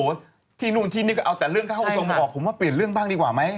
จริงที่นี่ก็เอาแต่เรื่องข้าวอุโสงมาออกผมว่าเปลี่ยนเรื่องบ้างดีกว่าไหม